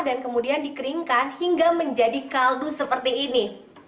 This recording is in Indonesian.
dan kemudian dikeringkan hingga menjadi kaldu seperti ini